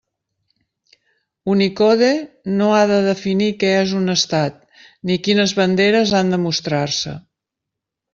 Unicode no ha de definir què és un Estat, ni quines banderes han de mostrar-se.